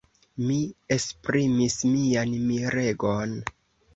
Mi esprimis mian miregon.